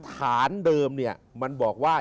ฐานเดิมเนี่ยมันบอกว่า